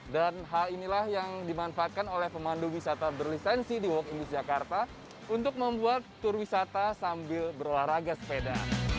hal inilah yang dimanfaatkan oleh pemandu wisata berlisensi di walk in beach jakarta untuk membuat tur wisata sambil berolahraga sepeda